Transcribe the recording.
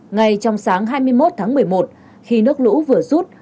ngay trong sáng hai mươi một tháng một mươi một khi nước lũ vừa rút